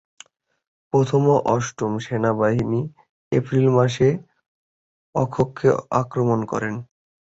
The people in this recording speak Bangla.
প্রথম ও অষ্টম সেনাবাহিনী এপ্রিল মাসে অক্ষকে আক্রমণ করে।